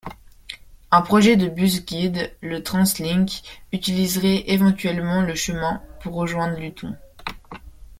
Un projet de bus-guide, le Translink, utiliserait éventuellement le chemin pour joindre Luton.